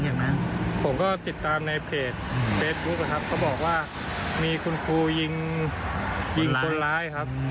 เลยต้องละครั้งเหตุเลยการยิงคนร้าย